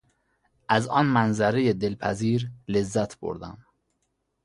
از آن منظرهی دلپذیر لذت بردم.